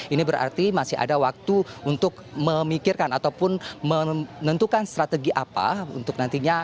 ini berarti masih ada waktu untuk memikirkan ataupun menentukan strategi apa untuk nantinya